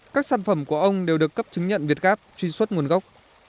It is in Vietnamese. các sản phẩm của ông đều được cấp chứng nhận việt gáp truy xuất nguồn gốc